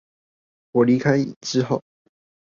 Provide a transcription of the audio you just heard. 我離開之後